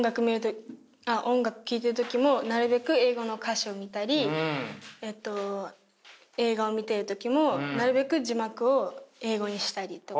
音楽聴いてる時もなるべく英語の歌詞を見たり映画を見ている時もなるべく字幕を英語にしたりとか。